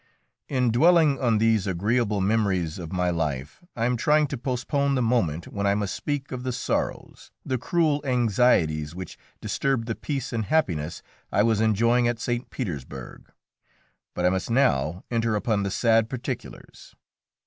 In dwelling on these agreeable memories of my life, I am trying to postpone the moment when I must speak of the sorrows, the cruel anxieties which disturbed the peace and happiness I was enjoying at St. Petersburg. But I must now enter upon the sad particulars.